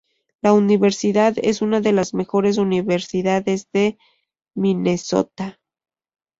La Universidad es una de las mejores universidades de Minnesota.